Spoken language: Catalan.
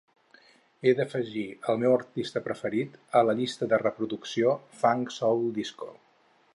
He d'afegir el meu artista preferit a la llista de reproducció funk soul disco.